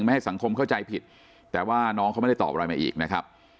ให้สังคมเข้าใจผิดแต่ว่าน้องเขาไม่ได้ตอบอะไรมาอีกนะครับ